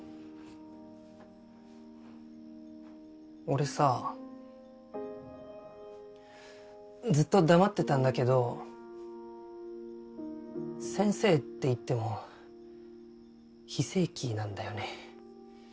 俺さずっと黙ってたんだけど先生って言っても非正規なんだよね。